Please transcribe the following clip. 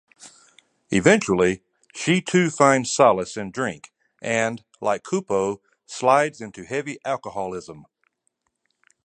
Eventually, she too finds solace in drink and, like Coupeau, slides into heavy alcoholism.